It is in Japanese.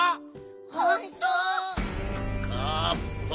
ほんと！？